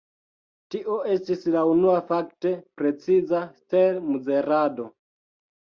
Tio estis la unua fakte preciza stel-mezurado.